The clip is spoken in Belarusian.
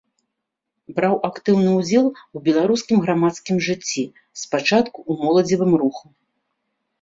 Браў актыўны ўдзел у беларускім грамадскім жыцці, спачатку ў моладзевым руху.